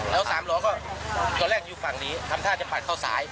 แล้ว๓รถก็แรกอยู่ฝั่งนี้ทำท่าจะปัดเข้าสาย